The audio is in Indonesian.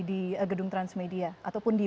di gedung transmedia ataupun di